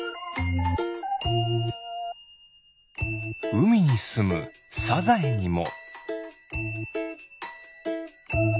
うみにすむサザエにも。